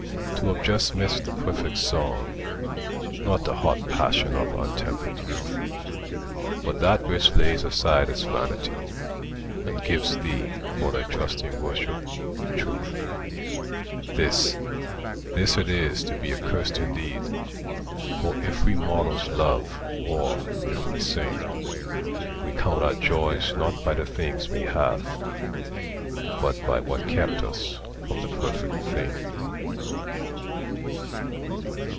To have just missed the perfect love, Not the hot passion of untempered youth, But that which lays aside its vanity And gives thee, for thy trusting worship, truth— This, this it is to be accursed indeed; For if we mortals love, or if we sing, We count our joys not by the things we have, But by what kept us from the perfect thing.